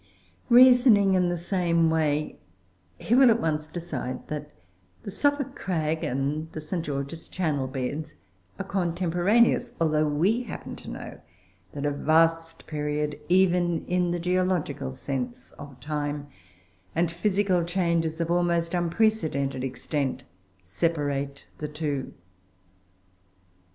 Reasoning in the same way, he will at once decide the Suffolk Crag and the St. George's Channel beds to be contemporaneous; although we happen to know that a vast period (even in the geological sense) of time, and physical changes of almost unprecedented extent, separate the two.